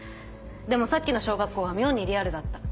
でもさっきの小学校は妙にリアルだった。